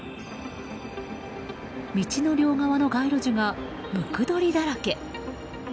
道の両側の街路樹がムクドリだらけ。